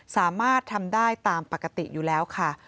สามารถทำได้ตามปกติอยู่แล้วค่ะ